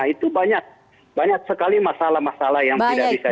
itu banyak sekali masalah masalah yang tidak bisa